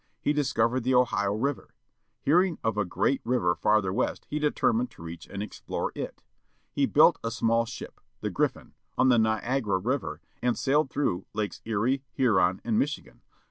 He dis covered the Ohio River. Hearing of a great river farther west he determined to reach and explore it. He built a small ship, the Griffin, on the Niagara River, and sailed through Lakes Erie, Huron, and Michigan.